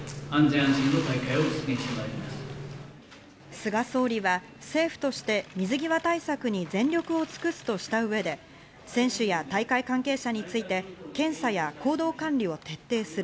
菅総理は政府として水際対策に全力を尽くすとした上で選手や大会関係者について検査や行動管理を徹底する。